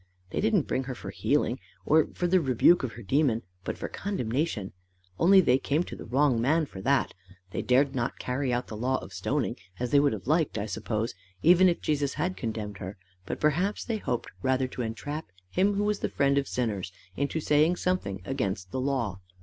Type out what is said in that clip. They didn't bring her for healing or for the rebuke of her demon, but for condemnation, only they came to the wrong man for that. They dared not carry out the law of stoning, as they would have liked, I suppose, even if Jesus had condemned her, but perhaps they hoped rather to entrap him who was the friend of sinners into saying something against the law.